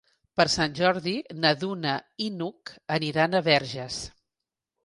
Per Sant Jordi na Duna i n'Hug iran a Verges.